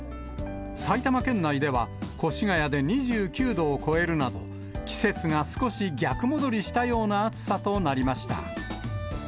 埼玉県内では、越谷で２９度を超えるなど、季節が少し逆戻りしたような暑さとなりました。